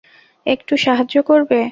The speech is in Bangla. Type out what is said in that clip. একটু সাহায্য করবে?